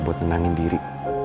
buat tenangin diri